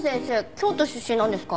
京都出身なんですか？